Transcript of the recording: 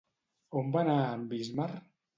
On va anar amb Ísmar?